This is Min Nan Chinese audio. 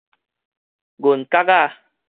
銀角仔